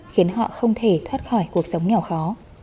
khiến họ không thể thoát khỏi cuộc sống nghèo khó